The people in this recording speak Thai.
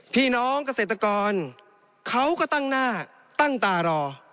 พี่น้องเกษตรกรเขาก็ตั้งหน้าตั้งตารอ